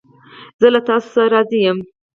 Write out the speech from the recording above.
زه له تاسو راضی یم